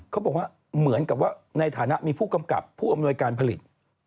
เขาบอกว่าเหมือนกับว่าในฐานะมีผู้กำกับผู้อำนวยการผลิต